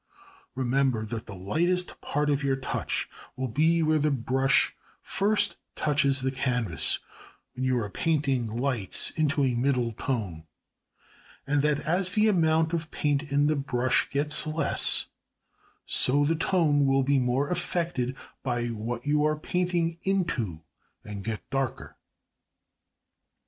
Remember that the lightest part of your touch will be where the brush first touches the canvas when you are painting lights into a middle tone; and that as the amount of paint in the brush gets less, so the tone will be more affected by what you are painting into, and get darker.